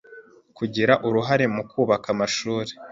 Kugira uruhare mu kubaka amashuri,